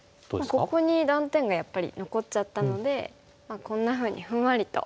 ここに断点がやっぱり残っちゃったのでこんなふうにふんわりと守っておきますか。